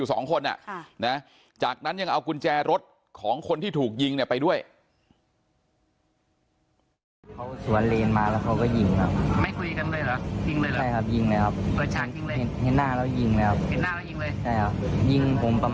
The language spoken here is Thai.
อายุ๑๐ปีนะฮะเขาบอกว่าเขาก็เห็นตอนที่เพื่อนถูกยิงนะครับทีแรกพอเห็นถูกยิงเนี่ยก็พยายามจะลงไปช่วยนะครับ